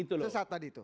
tersesat tadi itu